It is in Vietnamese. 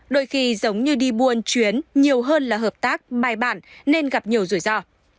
đôi khi giống như đi buôn chuyến nhiều hơn là hợp tác bài bản nên gặp nhiều rủi ro